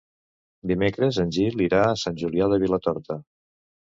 Dimecres en Gil irà a Sant Julià de Vilatorta.